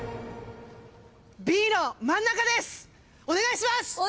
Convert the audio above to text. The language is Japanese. お願いします！